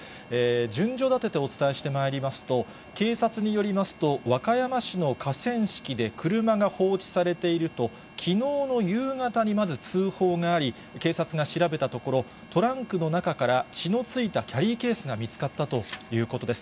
順序だててお伝えしてまいりますと、警察によりますと、和歌山市の河川敷で車が放置されていると、きのうの夕方にまず通報があり、警察が調べたところ、トランクの中から血の付いたキャリーケースが見つかったということです。